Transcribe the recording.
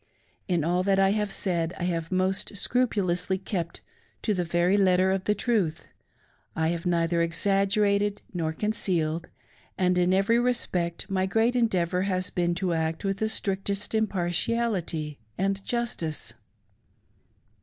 In all that I have said I have most scrupulously kept to the very letter of the truth — I have neither exaggerated nor concealed, and in every respect my great endeavor has bfeen to act with the strictest impar tiality and justice.